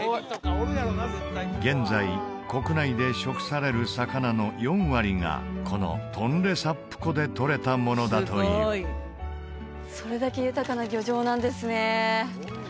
現在国内で食される魚の４割がこのトンレサップ湖でとれたものだというそれだけ豊かな漁場なんですね